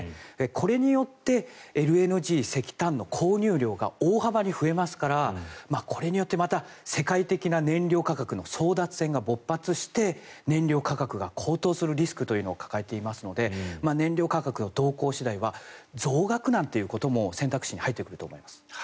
これによってＬＮＧ、石炭の購入量が大幅に増えますからこれによってまた世界的な燃料の争奪戦が勃発して燃料価格が高騰するリスクというのを抱えていますので燃料価格の動向次第では増額なんていうことも選択肢に入ってくると思います。